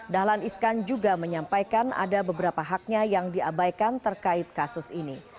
dahlan iskan juga menyampaikan ada beberapa haknya yang diabaikan terkait kasus ini